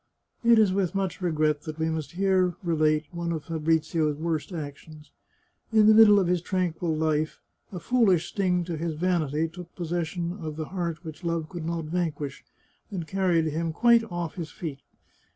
It is with much regret that we must here relate one of Fabrizio's worst actions. In the midst of his tranquil life, a foolish sting to his vanity took possession of the heart which love could not vanquish, and carried him quite oflf his feet.